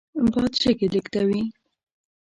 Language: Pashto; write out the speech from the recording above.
باد شګې لېږدوي